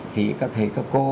thì các thầy các cô